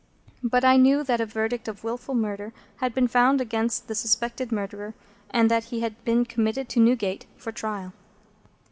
But I knew that a verdict of Wilful Murder had been found against the suspected murderer, and that he had been committed to Newgate for trial.